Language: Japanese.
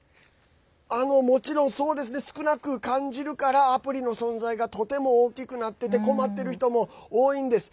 もちろん少なく感じるからアプリの存在がとても大きくなって困ってる人も多いんです。